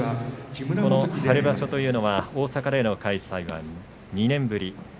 春場所というのは大阪での開催は２年ぶり。